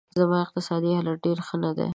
زما اقتصادي حالت ډېر ښه نه دی